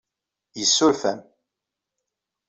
Yessuref-am.